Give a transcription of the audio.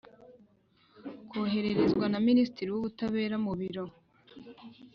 Kohererezwa na Minisitiri w Ubutabera mubiro.